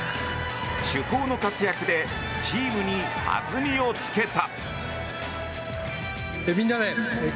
主砲の活躍でチームに弾みをつけた。